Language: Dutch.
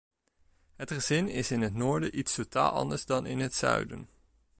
Het gezin is in het noorden iets totaal anders dan in het zuiden.